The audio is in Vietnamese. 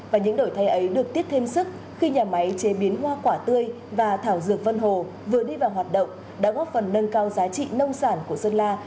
và những đổi thay ấy được tiếp thêm sức khi nhà máy chế biến hoa quả tươi và thảo dược vân hồ vừa đi vào hoạt động đã góp phần nâng cao giá trị nông sản của sơn la